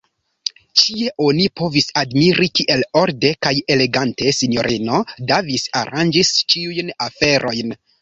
Ĉie oni povis admiri kiel orde kaj elegante Sinjorino Davis aranĝis ĉiujn aferojn.